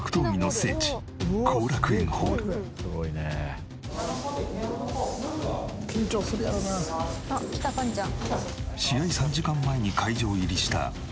試合３時間前に会場入りしたぱんちゃん。